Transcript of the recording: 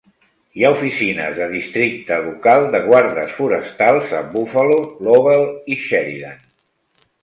Hi ha oficines de districte local de guardes forestals a Buffalo, Lovell i Sheridan.